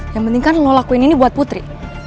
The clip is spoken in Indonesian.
yang penting kan lo lakuin ini buat putri